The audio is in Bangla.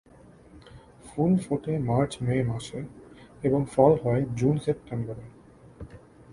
ফুল ফোটে মার্চ-মে মাসে এবং ফল হয় জুন-সেপ্টেম্বরে।